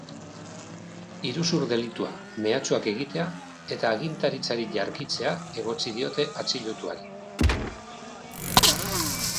Iruzur delitua, mehatxuak egitea eta agintaritzari jarkitzea egotzi diote atxilotuari.